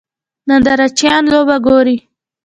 نندارچیان لوبه ګوري.